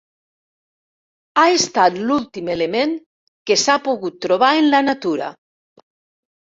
Ha estat l'últim element que s'ha pogut trobar en la natura.